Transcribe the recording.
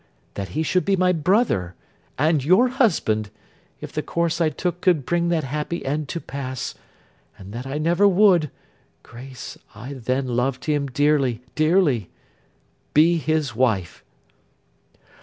That he should be my brother, and your husband, if the course I took could bring that happy end to pass; but that I never would (Grace, I then loved him dearly, dearly!) be his wife!